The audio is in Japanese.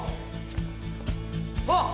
あっ！